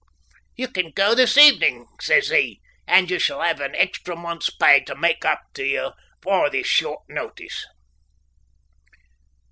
"You can go this evening," says he, "and you shall have an extra month's pay tae mak up t'ye for this short notice."